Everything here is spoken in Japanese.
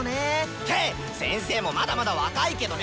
って先生もまだまだ若いけどね！